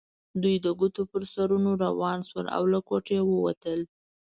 دوی د ګوتو پر سرونو روان شول او له کوټې ووتل.